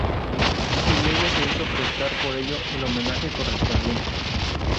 Y luego se hizo prestar por ello el homenaje correspondiente.